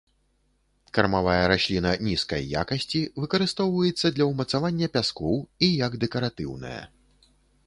Кармавая расліна нізкай якасці, выкарыстоўваецца для ўмацавання пяскоў і як дэкаратыўная.